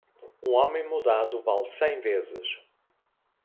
Um homem mudado vale cem vezes.